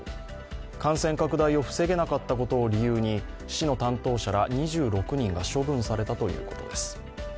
感染拡大を防げなかったことを理由に市の担当者ら２６人が処分されたということです。